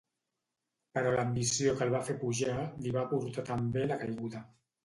Però l'ambició que el va fer pujar li va portar també la caiguda.